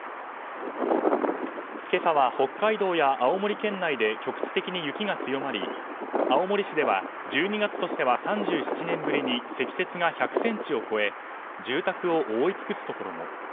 今朝は北海道や青森県内で局地的に雪が強まり青森市では１２月としては３７年ぶりに積雪が１００ｃｍを超え住宅を覆い尽くすところも。